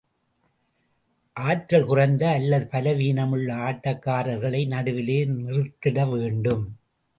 ஆற்றல் குறைந்த அல்லது பலவீனமுள்ள ஆட்டக்காரர்களை நடுவிலே நிறுத்திட வேண்டும்.